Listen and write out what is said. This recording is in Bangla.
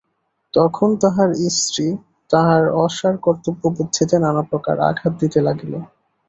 তখন তাঁহার স্ত্রী তাঁহার অসাড় কর্তব্যবুদ্ধিতে নানাপ্রকার আঘাত দিতে লাগিল।